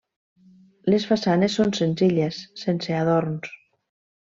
Les façanes són senzilles, sense adorns.